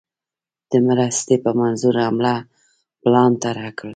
د مرستي په منظور حمله پلان طرح کړ.